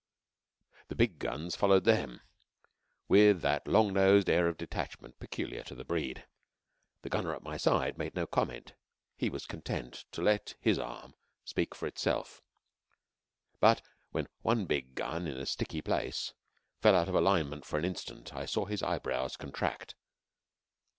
The big guns followed them, with that long nosed air of detachment peculiar to the breed. The Gunner at my side made no comment. He was content to let his Arm speak for itself, but when one big gun in a sticky place fell out of alignment for an instant I saw his eyebrows contract.